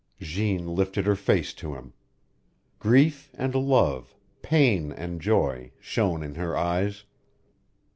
Jeanne lifted her face to him. Grief and love, pain and joy, shone in her eyes.